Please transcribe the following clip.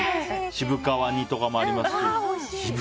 渋皮煮とかもありますし。